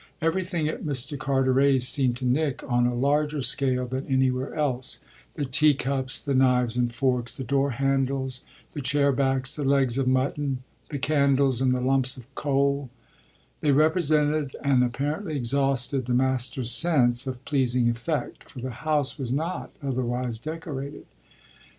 Everything at Mr. Carteret's seemed to Nick on a larger scale than anywhere else the tea cups, the knives and forks, the door handles, the chair backs, the legs of mutton, the candles, and the lumps of coal: they represented and apparently exhausted the master's sense of pleasing effect, for the house was not otherwise decorated.